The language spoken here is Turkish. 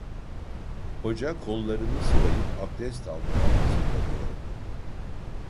Hoca kollarını sıvayıp abdest almaya hazırlanıyordu.